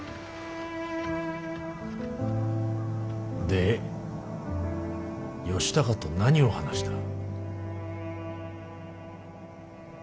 で義高と何を話した。